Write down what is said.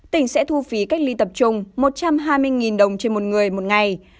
tỉnh sẽ thu phí cách ly tập trung một trăm hai mươi đồng trên một người một ngày